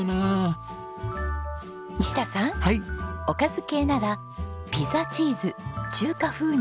おかず系ならピザチーズ中華風